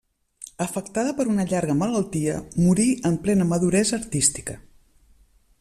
Afectada per una llarga malaltia, morí en plena maduresa artística.